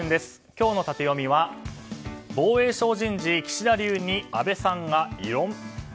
今日のタテヨミは防衛省人事岸田流に安倍さんが異論！？